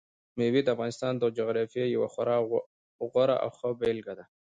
مېوې د افغانستان د جغرافیې یوه خورا غوره او ښه بېلګه ده.